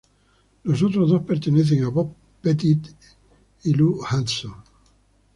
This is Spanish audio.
Los otros dos pertenecen a Bob Pettit y Lou Hudson.